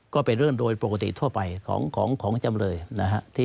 ก็เป็นเรื่องโดยปกติทั่วไปของจำเลยนะฮะ